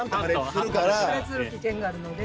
破裂する危険があるので。